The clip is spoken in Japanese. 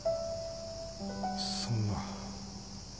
そんな。